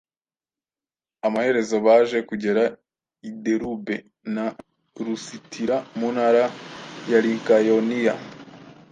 Amaherezo baje kugera i Derube na Lusitira mu ntara ya Likayoniya.